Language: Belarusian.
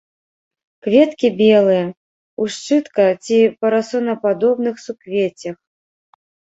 Кветкі белыя, у шчытка- ці парасонападобных суквеццях.